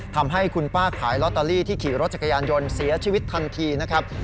ทำให้คุณป้าขายลอตเตอรี่ที่ขี่รถจักรยานยนต์เสียชีวิตทันทีนะครับ